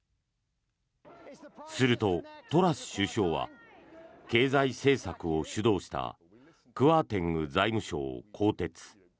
すると、トラス首相は経済政策を主導したクワーテング財務相を更迭。